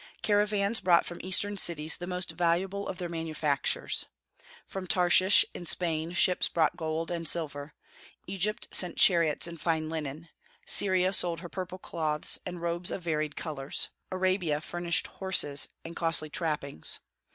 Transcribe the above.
Caravans brought from Eastern cities the most valuable of their manufactures. From Tarshish in Spain ships brought gold and silver; Egypt sent chariots and fine linen; Syria sold her purple cloths and robes of varied colors; Arabia furnished horses and costly trappings.